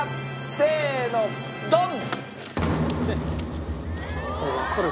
せーのドン！